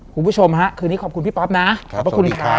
คุณผู้ชมฮะคืนนี้ขอบคุณพี่ป๊อปนะขอบพระคุณครับ